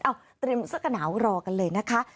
เอ้าเตรียมสักหนาวรอกันเลยนะคะ